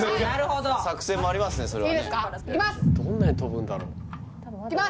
どんなに飛ぶんだろういきます